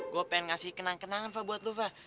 gue pengen ngasih kenang kenangan fah buat lo fah